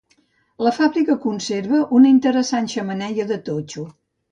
La fàbrica conserva una interessant xemeneia de totxo.